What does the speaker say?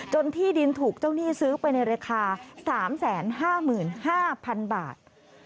ที่ดินถูกเจ้าหนี้ซื้อไปในราคา๓๕๕๐๐๐บาท